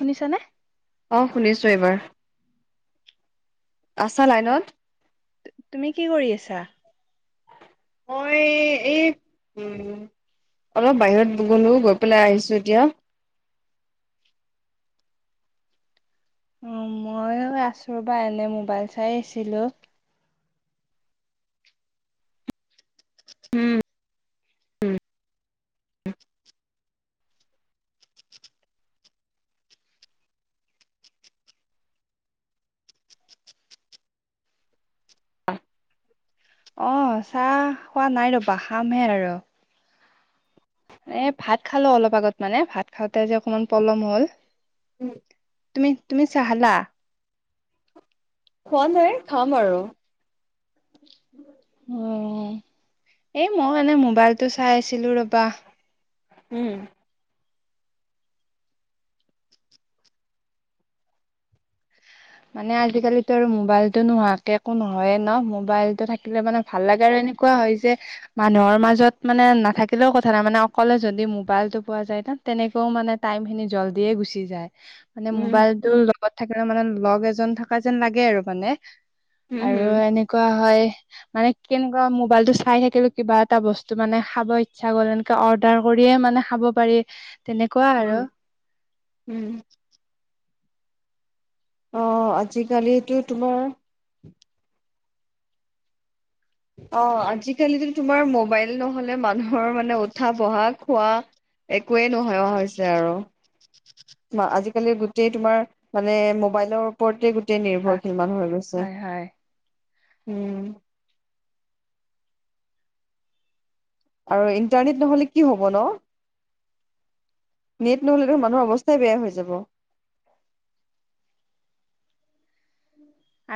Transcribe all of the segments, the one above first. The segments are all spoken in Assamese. শুনিছানে? অ' শুনিছো এইবাৰ। আছা লাইনত? তুমি কি কৰি আছা? মই এই উ, অলপ বাহিৰত গলো গৈ পেলাই আহিছোঁ এতিয়া। উম, মই আচো ৰবা এনে মোবাইল চাই আছিলো। [inaudible] অ' চাহ খোৱা নাই ৰ'বা, খামহে আৰু। এ ভাত খালো অলপ আগত মানে, ভাত খাওঁতে যে অকনমান পলম হ'ল। উম। তুমি, তুমি চাহ খালা? খোৱা নাই, খাম আৰু। উম, এই মই এানে মোবাইলটো চাই আছিলো ৰবা। উম। মানে আজিকালিতো আৰু মোবাইলতটো নোহোৱাকে একো নহয়ে ন মোবাইলতটো থাকিলে মানে ভাল লাগে আৰু এনেকুৱা হয় যে মানুহৰ মাজত মানে নাথাকিলেও কথা নাই, মানে অকলে যদি মোবাইলতটো পোৱা যায় তেনেকেও মানে টাইম খিনি জল্ডিয়ে গুচি যায়। মানে উম মোবাইলটো লগত থাকিলে মানে লগ এজন থকা যেন লাগে আৰু মানে। উম আৰু হম এনেকুৱা হয় মানে কেনেকুৱা মোবাইলতো চাই থাকিলো কিবা এটা বস্তু মানে খাব ইচ্ছা গল অৰ্ডাৰ কৰিয়ে মানে খাব পাৰি, তেনেকুৱা উম আৰু। [unintelligible] অ', আজি-কালিটো তোমাৰ অ', আজি-কালিটো তোমাৰ মোবাইল নহলে মানুহ ৰ মানে উঠা বহা খোৱা একোৱেই নোহেৱা হৈছে আৰু। [unintelligible] আজিকালি গোটেই তোমাৰ, মানে মোবাইলৰ ওপৰতে গোটেই নিৰ্ভৰশীল মানুহে হৈ গৈছে, হয় হয় উম। আৰু ইণ্টাৰনেট নহ'লে কি হ'ব ন। নেট নহ'লেতো মানুহৰ অৱস্থাই বেয়া হৈ যাব।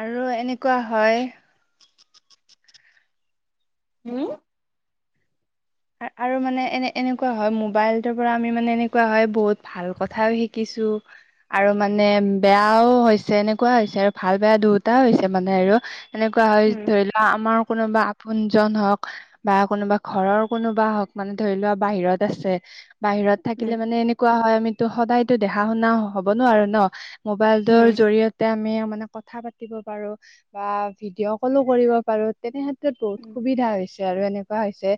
আৰু এনেকুৱা হয় উম? আৰু মানে এনে এনে এনেকুৱা হয়, মোবাইলটোৰ পৰা আমি মানে এনেকুৱাও হয়, বহুত ভাল কথাও শিকিছোঁ। আৰু মানে বেয়াও হৈছে, এনেকুৱা হৈছে আৰু ভাল-বেয়া দুয়োটা হৈছে মানে আৰু। এনেকুৱা হয় উম, ধৰি ল', আমাৰ কোনোবা আপোনজন হওক বা কোনোবা ঘৰৰ কোনোবা হওক মানে ধৰি লোৱা, বাহিৰত আছে, বাহিৰত উম, থাকিলে মানে এনে কোৱা হয়, আমিতো সদায়তো দেখা-শুনা হ'ব নোৱাৰো ন', মোবাইলটোৰ উম, জৰিয়তে তে আমি মানে কথা পাতিব পাৰো বা ভিডিঅ' কলো কৰিব পাৰোঁ, তেনেহেন বহুত সুবিধা হৈছে আৰু এনেকুৱা হৈছে,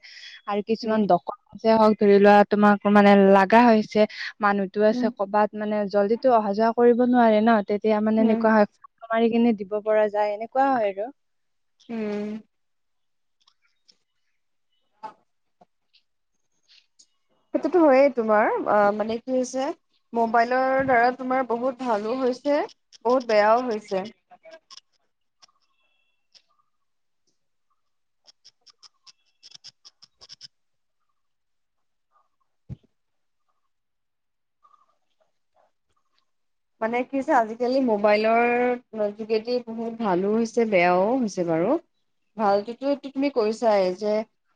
আৰু কিছুমান উম, দক [unintelligible] হ'ক ধৰি লোৱা তোমাক মানে লাগা হৈছে, মানুহতো আছে উম, ক'বাত মানে জল্দিটো অহা-যোৱা কৰিব নোৱাৰে ন, তেতিয়া মানে উম। এনেকুৱা হয় মাৰি কেনে দিব পৰা যায়, এনেকুৱা হয় আৰু। উম। সেইটোতো হয়েই তোমাৰ। অ' মানে কি হৈছে মোবাইলৰ দ্বাৰা তোমাৰ বহুত ভালো হৈছে। বহুত বেয়াও হৈছে। মানে কি হৈছে, আজি-কালি মোবাইলৰ যোগেদি বহুত ভালো হৈছে, বেয়াও হৈছে বাৰু। ভালটোতো তুমি কৈছাই, যে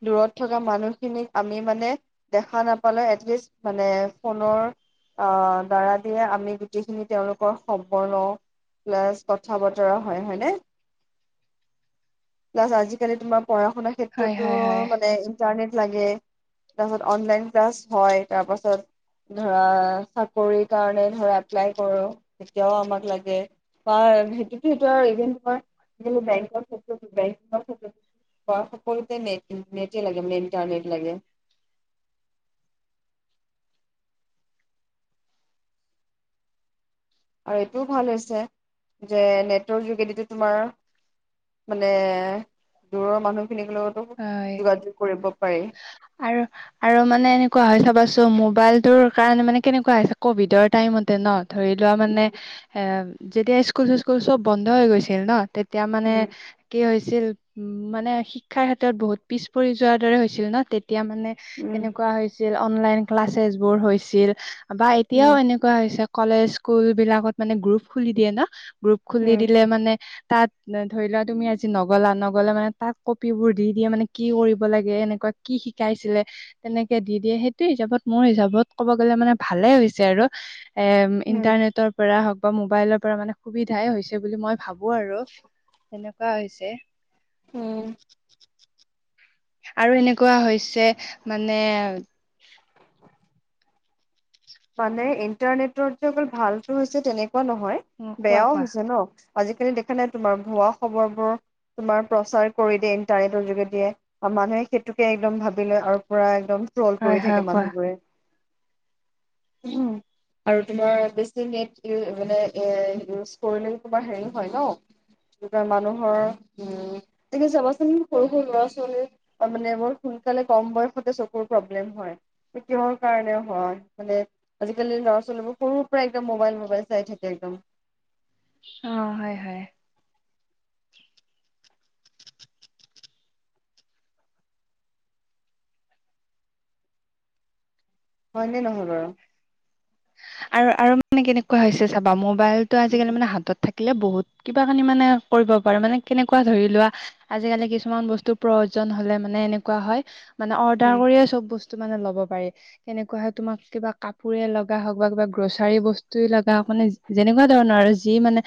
দূৰত থকা মানুহখিনিক আমি মানে দেখা নাপালে এটলিষ্ট, মানে ফোনৰ আহ দ্বাৰা দিয়ে আমি যিখিনি তেওঁলোকৰ সম্পৰ্ক প্লাছ কথা-বতৰা হয়, হয়নে? প্লাছ আজিকালি তোমাৰ পঢ়া-শুনাাৰ হয় ক্ষেত্ৰতো হয় হয় মানে ইন্টাৰনেট লাগে। তাৰপাছত অনলাইন ক্লাছ হয়, তাৰপাছত ধৰা, চাকৰি কাৰণে ধৰা এপ্লাই কৰোঁ তেতিয়াও আমাক লাগে, বা সেইটোতো সেইটো আৰু ইভেন তোমাৰ [unintelligible] প্ৰায় চাকৰিতে নেটেই লাগে, মেইনটো নেট লাগে। আৰু এইটোও ভাল হৈছে যে নেটৰ যোগেদিটো তোমাৰ মানে দূৰৰ মানুহখিনিক লগত হয়। আৰু আৰু মানে এনেকুৱা হয় চাবাচোন, মোবাইলটোৰ কাৰণে মানে কেনেকুৱা হৈছে ক'ভিডৰ টাইমতে ন ধৰি লোৱা মানে, এ যেতিয়া স্কুল-চিস্কুল সব বন্ধ হৈ গৈছিল ন', তেত -তিয়া মানে উম কি হৈছিল উম মানে শি শিক্ষাৰ ক্ষেত্ৰত বহুত পিছপৰি যোৱাৰ দৰে হৈছিল ন', তেতিয়া মানে উম উম তেনেকুৱা হৈছি ছিল, অনলাইন ক্লাছেছবোৰ হৈছিল বা উম এতিয়াও এনেক কোৱা হৈছে, কলেজ, স্কুলবিলাকত মানে গ্ৰুপ খুলি দিয়ে ন', গ্ৰুপ খুলি উম দিলে মানে তাত ধৰি লোৱা, তুমি আজি নগ'লা, নগ'লা মানে তাত [unintelligible] বোৰ দি দিয়ে মানে কি কৰিব লাগে, এনেকুৱা কি শিকাইছিলে? তেনেকে দি দিয়ে, সেইটো হিচাপত মোৰ হিচাপত ক'ব গ'লে মানে ভালে হৈছে আৰু। এহ উম ইণ্টাৰনেটৰ পৰা হওক বা মোবাইলৰ পৰা মানে সুবিধাই হৈছে বুলি মই ভাবো আৰু, এনেকুৱা হৈছে। উম। আৰু এনেকুৱা হৈছে মানে মানে ইণ্টাৰনেটত যে অকল ভালটো হৈছে তেনেকুৱা নহয়, অ কোৱা বেয়াও কোৱা হৈছে ন'? আজিকালি দেখা নাই তোমাৰ ভুৱা খবৰবোৰ তোমাৰ প্ৰচাৰ কৰি দিয়ে ইণ্টাৰনেটৰ যোগেদিয়ে আৰু মানুহে সেইটোকে একদম ভাবি লয় অ পুৰা একদম ট্ৰল হয় কৰি হয় থাকে কোৱা মানুহবোৰে উম আৰু তোমাৰ বেছি নেট মানে এ উচ কৰিলে তোমাৰ হেৰি হয় ন মানুহৰ উম তুমি চাবাচোন সৰু সৰু ল'ৰা ছোৱালী মানে বৰ সোনকালে কম বয়সতে চকুৰ প্ৰব্লেম হয় কিহৰ কাৰণে হয় মানে আজিকালি ল'ৰা ছোৱালীবোৰ সৰুৰ পৰা একদম মোবাইল মোবাইল চাই থাকে একদম অ হয় হয় হয়নে নহয় বাৰু আৰু আৰু মানে কেনেকুৱা হৈছে চাবা মোবাইলতটো আজিকালি মানে উম হাতত থাকে থাকিলে বহুত কিবা কানি মানে কৰিব পাৰো মানে কেনেকুৱা ধৰি লোৱা আজিকালি কিছুমান বস্তুৰ প্ৰয়োজন হলে মানে এনেকুৱা হয় মানে অৰ্ডাৰ কৰিয়ে চব বস্তু মানে লব পাৰি কেনেকুৱা হয় কিবা কাপোৰে লওক লগা হওঁক বা কিবা গ্ৰ'ছাৰী বস্তুৱে লগা হওঁক মানে যেনেকুৱা ধৰণৰ আৰু যি মানে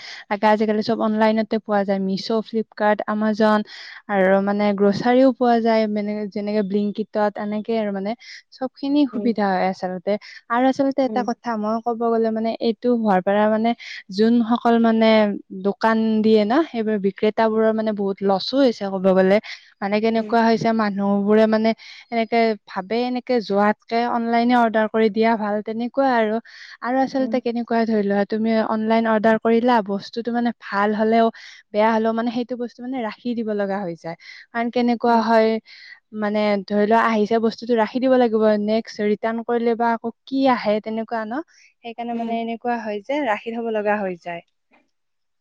আজিকালি চব অনলাইনতে পোৱা যায় মিছ' ফ্লিপকাৰ্ট আমাজন আৰু মানে গ্ৰ'চাৰীও পোৱা যায় মানে যেনেকে বিলিংকটত এনেকে আৰু মানে চব খিনি উম সুবিধা হয় আচলতে আৰু আচলতে এটা উম কথা মই ক'ব গ'লে মানে এইটো হোৱাৰ পৰা মানে যোনসকল মানে দোকান দিয়ে ন সেইবোৰ বিক্ৰ উম বোৰৰ মানে বহুত লছো হৈছে ক'ব গ'লে মানে কেনেকুৱা হৈছে মানুহ বোৰে মানে এনেকে ভাবে এনেকে যোৱাতকে অনলাইনে অৰ্ডাৰ কৰি দিয়া ভাল তেনেক কোৱা আৰু উম আচলতে কেনেকু ক ধৰি লোৱা তুমি অনলাইন অৰ্ডাৰ কৰিলা বস্তুতটো মানে ভাল হ'লেও বেয়া হলেও মানে সেইটো বস্তু মানে ৰাখি দিব লগা হৈ যায় কাৰণ উম কেনেকুৱা উম উম হয় মানে ধৰি লোৱা আহিছে বস্তুতটো ৰাখি দিব লাগিব নেক্সট ৰিটাৰ্ণ কৰিলে বা আকৌ কি আহে তেনেকুৱা ন সেইকাৰণে উম মানে এনেকুৱা হয় যে ৰাখি থব লগা হৈ যায়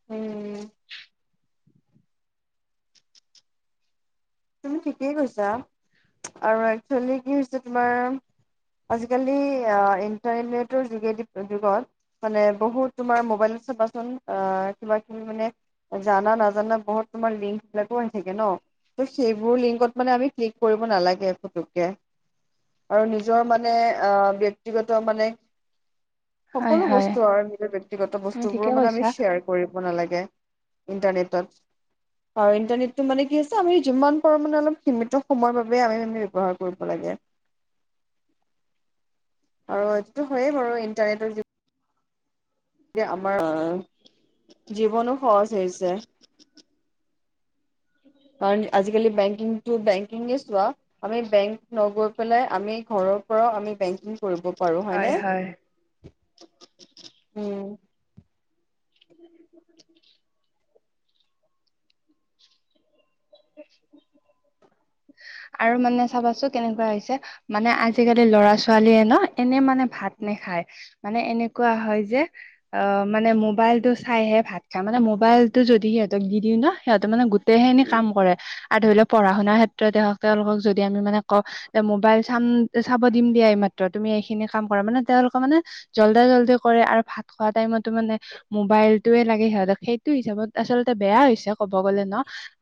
উম তুমি ঠিকেই কৈছা আৰু একচুৱেলি কি হৈছে তোমাৰ আজিকালি ইণ্টাৰনেটৰ যোগেদি যুগত মানে বহুত তোমাৰ মোবাইলত চাবাচোন আহ কিবা কিবি মানে জানা নাজানা বহুত তোমাৰ লিংকবিলাকো আহি থাকে ন ত' সেইবোৰ লিংকত মানে আমি ক্লিক কৰিব নালাগে ফটোককে আৰু নিজৰ মানে আহ ব্যক্তিগত মানে হয় সকলো হয় বস্তু আৰু নিজৰ ব্যক্তিগত বস্তু তুমি বোৰ ঠিকে মানে আমি কৈছা। শ্বেয়াৰ কৰিব নালগে ইন্টাৰনেটত আৰু ইন্টাৰনেটটো মানে কি হৈছে আমি যিমান পাৰোঁ মানে অলপ সীমিত সময়ৰ বাবে আমি আমি ব্যৱহাৰ কৰিব লাগে আৰু এইটো হয়য়ে বাৰু ইন্টাৰনেটৰ যে আমাৰ আহ জীৱনো সহজ হৈছে কাৰণ আজিকালি বেংকিং বেংকিং চোৱা আমি বেংক নগৈ পেলাই আমি ঘৰৰ পৰাও আমি বেংকিং কৰিব পাৰো হয় হয়নে হয়। [inaudible] উম [inaudible] [inaudible] আৰু মানে চাবাচোন কেনেকুৱা হৈছে মানে আজিকালি ল'ৰা ছোৱালীয়ে না এনে মানে ভাত নেখায় মানে এনেকুৱা হয় যে অ মানে মোবাইল টো চাইহে ভাত খায় মানে মোবাইল টো যদি সিহঁতক দি দিওঁ ন সিহঁত মানে গোট খিনি কাম কৰে আৰু ধৰি লওক পঢ়া শুনাৰ ক্ষেত্ৰতে হক তেওঁলোকক যদি আমি মানে কওঁ মোবাইল চাম চাব দিম দিয়া মাত্ৰ তুমি এইখিনি কাম কৰা মানে তেওঁলোকে মানে জল্দে জল্দি কৰে আৰু ভাত খোৱা টাইমতো মানে মোবাইল [unintelligible] লাগে সিহঁতক সেইটো হিচাপত আচল্ততে বেয়া হৈছে ক'ব গ'লে ন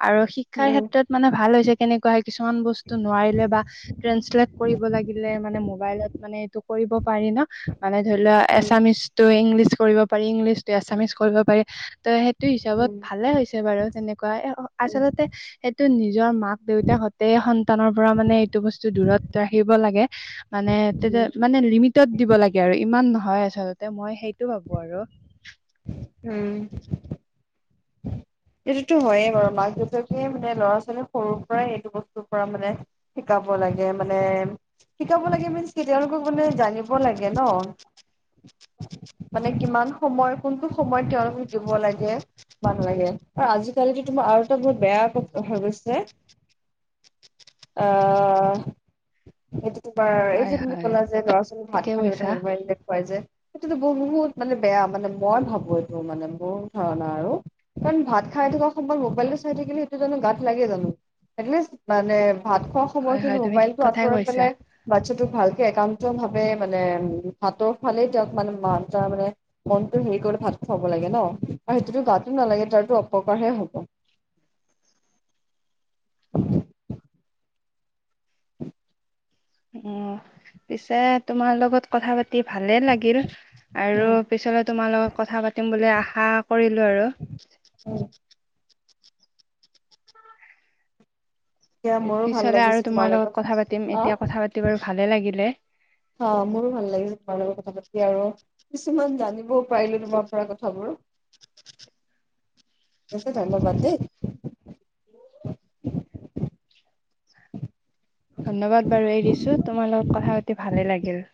আৰু শিক্ষাৰ উম ক্ষেত্ৰত মানে ভাল হৈছে কেনেকুৱা কিছুমান বস্তু নোৱাৰিলে [unintelligible] কৰিব লাগিলে মানে মবাইলত মানে কৰিব পাৰি ন মানে ধৰি লোৱা উম এচামিচ ত ইংলিছ কৰিব পাৰি। ইংলিছ এছামিছ কৰিব পাৰি। তেই হিচাপত উম ভালে হৈছে বাৰু। তেনেকুৱা উম আচল্ততে সেইটো নিজৰ মাক দেউতাক সন্তানৰ পৰা মানে এইটো বস্তু দূৰত ৰাখিব লাগে। মানে তে উম মানে লিমিটত দিব লাগে আৰু ইমান নহয়। আচলতে মই সেইটো ভাবো আৰু উম, সেইটোতো হয়য়ে বাৰু মাক দেউতাকে মানে ল'ৰা ছোৱালীৰ সৰুৰ পৰাই এইটো বস্তুৰ পৰা মানে শিকাব লাগে মানে শিকাব লাগে মনচ কে তেওঁলোকক মানে জানিব লাগে ন মানে কিমান সময় কোনটো সময়ত তেওঁলোকক দিব লাগে। নালাগে আৰু আজিকালি তোমাৰ আৰু এটা বহত বেয়া হৈ গৈছে। অ', সটো তোমাৰ এই হয় যে তুমি হয় ক'লা যে ল'ৰা ছোৱী ঠিকে ভাত খ গটা কৈছা মোবাইল খুৱাই যে, সেইটোতো বহুত মানে বেয়া মানে মই ভাবোঁ এইটো মানে মোৰ ধাৰণা আৰু কাৰণ ভাত খাই থকা সময়ত মোবাইলটো চাই থাকিলে সেইটো জানো গাত লাগে জানো স মানে ভাত খোৱা হয় হয় সময়খিনি তুমি ঠিক মোবাইলতটো কথাই আঁতৰাই কৈছা পেলাই। বাচ্ছাটোক ভালকে একান্ত ভাৱে মানে হাতৰ ফালে তেওঁক মানে মা তাৰ মানে মনটো হেৰি কৰি ভাত খোৱাব লাগে ন আৰু সেইটোতো গাতো নালাগে তাৰো অপকাৰহে হ'ব। অ', পিছে তোমাৰ লগত কথা পাতি ভালে লাগিল। আৰু উম ত, পিছলৈ তোমাৰ লগত কথা পাতিম বুলি আশা কৰিলোঁ আৰু। উম এতিয়া মোৰো ভাল পিছলে লাগিছে আৰু তোমাৰ লগত কথা পাতিম অ এতিয়া কথা পাতি বাৰু ভালে লাগিলে। অ', মোৰো ভাল লাগিছে তোমাৰ লগত কথা পাতি আৰু কিছুমান জানিবও পাৰিলোঁ। তোমাৰ পৰা কথাবোৰ। য ধন্যবাদ দেই। ধন্যবাদ বাৰু এই দিছোঁ তোমাৰ লগত কথা পাতি ভালে লাগিল।